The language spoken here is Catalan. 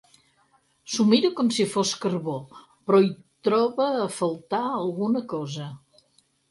S'ho mira com si fos carbó, però hi troba a faltar alguna cosa.